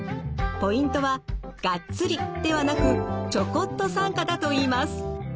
ポイントは「がっつり」ではなく「ちょこっと」参加だといいます。